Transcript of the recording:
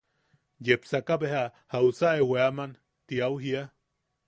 Yepsaka beja –¿Jausa e weaman? Ti au jia.